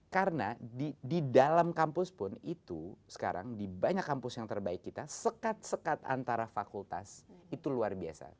karena di dalam kampus pun itu sekarang di banyak kampus yang terbaik kita sekat sekat antara fakultas itu luar biasa